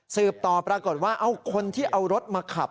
ต่อปรากฏว่าเอาคนที่เอารถมาขับ